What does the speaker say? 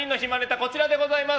こちらでございます。